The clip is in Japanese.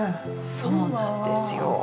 そうなんですよ。